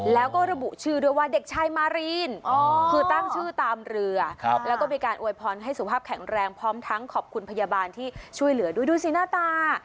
แล้วก็ระบุชื่อด้วยว่าเด็กชายมารีนคือตั้งชื่อตามเรือแล้วก็มีการอวยพรให้สุภาพแข็งแรงพร้อมทั้งขอบคุณพยาบาลที่ช่วยเหลือด้วยดูสิหน้าตา